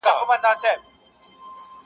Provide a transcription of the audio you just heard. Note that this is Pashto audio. درد په حافظه کي پاتې کيږي,